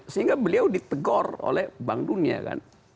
sehingga beliau ditegor oleh bank dunia kan